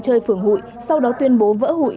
chơi phường hội sau đó tuyên bố vỡ hội